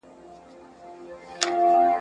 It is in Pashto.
یوه شپه مېرمن پر کټ باندي پرته وه ..